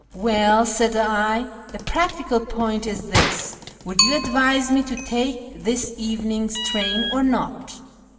" Well," said I, " the practical point is this, would you advise me to take this evening's train or not